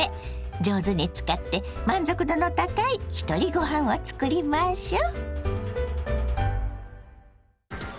上手に使って満足度の高いひとりごはんを作りましょ。